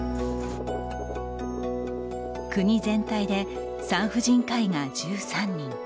国全体で産婦人科医が１３人。